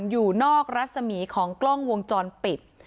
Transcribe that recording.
อยู่นอกรัศมีของกล้องวงจรปิด